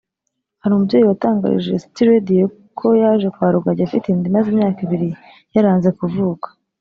Hari umubyeyi watangarije City Radio ko yaje kwa Rugagi afite inda imaze imyaka ibiri yaranze kuvuka